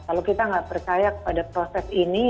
kalau kita nggak percaya pada proses ini